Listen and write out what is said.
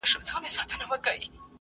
سياسي ډيالوګ د ستونزو حل دی.